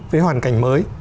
với hoàn cảnh mới